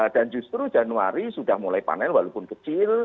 dan justru januari sudah mulai panen walaupun kecil